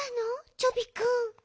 チョビくん。